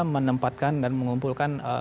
menempatkan dan mengumpulkan